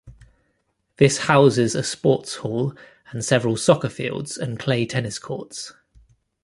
This houses a sports hall and several soccer fields and clay tennis courts.